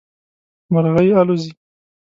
مرغی الوزي